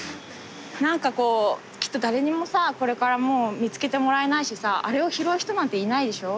何かこうきっと誰にもさこれからもう見つけてもらえないしさあれを拾う人なんていないでしょ？